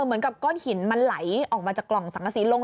เหมือนกับก้อนหินมันไหลออกมาจากกล่องสังกษีลง